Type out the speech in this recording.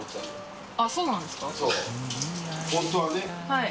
はい。